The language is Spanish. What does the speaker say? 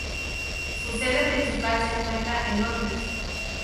Su sede principal se encuentra en Londres.